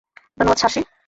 ধন্যবাদ, সার্সি।